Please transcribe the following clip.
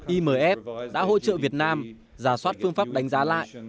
imf đã hỗ trợ việt nam giả soát phương pháp đánh giá lại